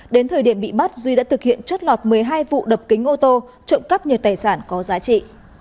đến thời điểm bị bắt duy đã thực hiện chất lọt một mươi hai vụ đập kính ô tô trộm cắp nhiều tài sản có giá trị